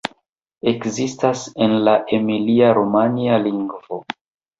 Ekzistas en la emilia-romanja lingvo.